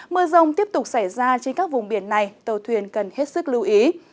mưa rông tiếp tục xảy ra trên các vùng biển này tàu thuyền cần hết sức lưu ý